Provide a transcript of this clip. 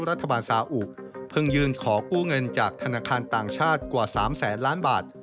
รัฐบาลสาอุเพิ่งยืนขอกู้เงินจากธนาคารต่างชาติกว่า๓แสนล้านบาท